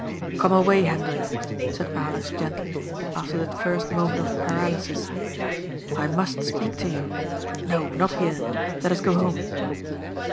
*'Come away, Hendrik," said Alers gently, after that first moment of paralysis, '^ I must speak to you. No, not here. Let us go home."